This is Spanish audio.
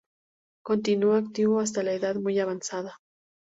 Continuó activo hasta edad muy avanzada.